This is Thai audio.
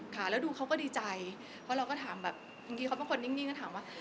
แล้วดูเขาก็ดีใจเพราะเราก็ถามแบบบางคนนิ่งก็ถามว่า